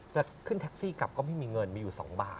จะขึ้นแท็กซี่กลับก็ไม่มีเงินมีอยู่๒บาท